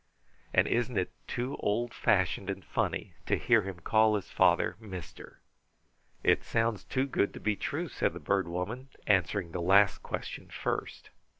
And isn't it too old fashioned and funny to hear him call his father 'mister'?" "It sounds too good to be true," said the Bird Woman, answering the last question first.